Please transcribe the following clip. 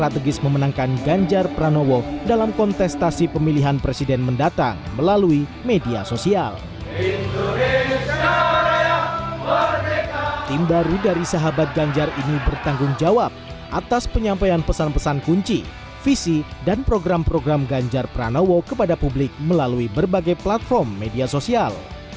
tim baru dari sahabat ganjar ini bertanggung jawab atas penyampaian pesan pesan kunci visi dan program program ganjar pranowo kepada publik melalui berbagai platform media sosial